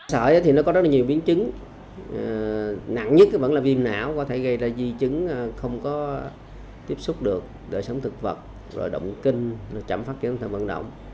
sợi thì nó có rất nhiều biến chứng nặng nhất vẫn là viêm não có thể gây ra di chứng không có tiếp xúc được đợi sống thực vật rồi động kinh chậm phát triển thần vận động